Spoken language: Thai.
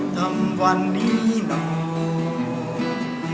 ทำวันนี้หน่อย